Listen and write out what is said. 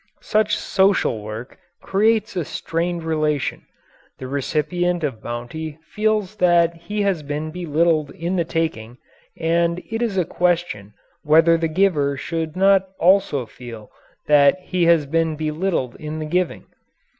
Such "social work" creates a strained relation the recipient of bounty feels that he has been belittled in the taking, and it is a question whether the giver should not also feel that he has been belittled in the giving.